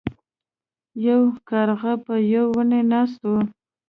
یو کارغه په یو ونې ناست و.